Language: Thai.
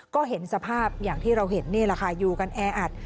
ก็เห็นสภาพอย่างที่เราเห็นนี่แหละค่ะอยู่กันแออัด